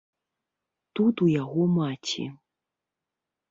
Тут у яго маці.